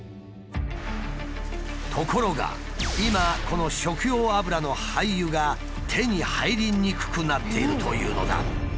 ところが今この食用油の廃油が手に入りにくくなっているというのだ。